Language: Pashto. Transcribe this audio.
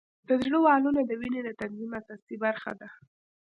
د زړه والونه د وینې د تنظیم اساسي برخه ده.